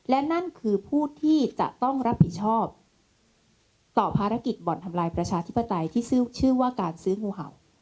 และนั่นคือผู้ที่จะต้องรับผิดชอบต่อภารกิจบ่อนทำลายประชาธิปไตยที่ชื่อว่าการซื้องูเห่า